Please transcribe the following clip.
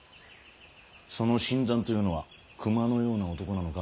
その新参というのは熊のような男なのか。